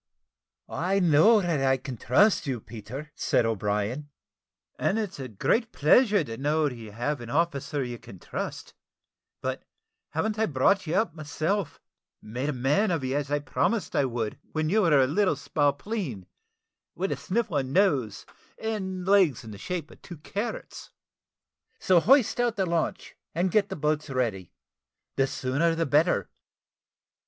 "I know that I can trust you, Peter," said O'Brien, "and it's a great pleasure to know that you have an officer you can trust but hav'n't I brought you up myself, and made a man of you, as I promised I would, when you were a little spalpeen, with a sniffling nose, and legs in the shape of two carrots? So hoist out the launch, and get the boats ready the sooner the better.